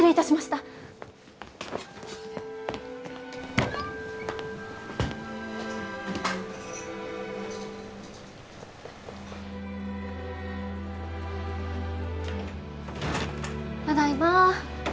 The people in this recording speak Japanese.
ただいま。